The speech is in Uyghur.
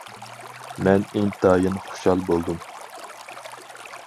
مەن ئىنتايىن خۇشال بولدۇم.